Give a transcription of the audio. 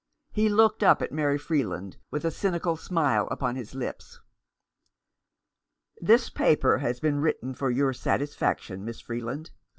He looked up at Mary Freeland with a cynical smile upon his lips. " This paper has been written for your satisfac tion, Miss Freeland.